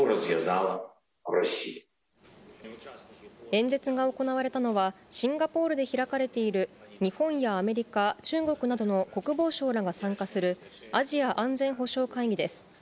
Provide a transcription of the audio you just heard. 演説が行われたのはシンガポールで開かれている日本やアメリカ、中国などの国防相らが参加するアジア安全保障会議です。